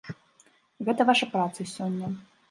Гэта ваша праца сёння.